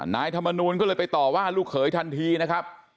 นายธรรมนูลก็เลยไปต่อว่าลูกเขยทันทีนะครับ